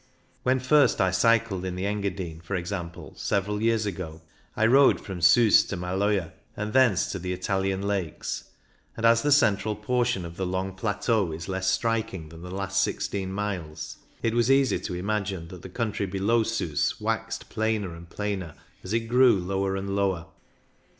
When first I cycled in the Engadine, for example, several years ago, I rode from Siis to Maloja, and thence to the Italian Lakes; and as the central portion of the long plateau is less striking than the last sixteen miles, it was easy to imagine that the country below Sus waxed plainer and plainer as it grew lower and lower.